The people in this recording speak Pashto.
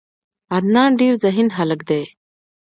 عدنان ډیر ذهین هلک ده.